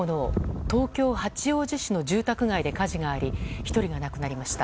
東京・八王子市の住宅街で火事があり１人が亡くなりました。